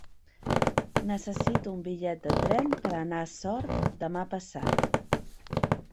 Necessito un bitllet de tren per anar a Sort demà passat.